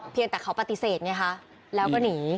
เพียดแต่เขาปฏิเสธก็หนี